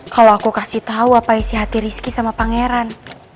kalau aku kasih tahu apa isi hati rizky sama pangeran